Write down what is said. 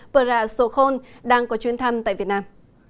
pura sokhon đang có chuyến thăm tại việt nam